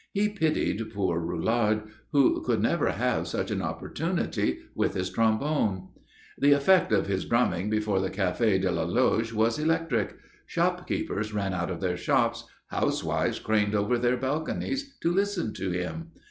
He pitied poor Roulard, who could never have such an opportunity with his trombone.... The effect of his drumming before the Café de la Loge was electric. Shopkeepers ran out of their shops, housewives craned over their balconies to listen to him.